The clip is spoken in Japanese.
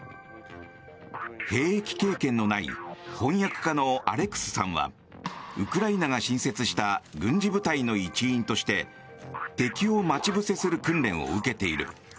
兵役経験のない翻訳家のアレクスさんはウクライナが新設した軍事部隊の一員として敵を待ち伏せする訓練を受けている。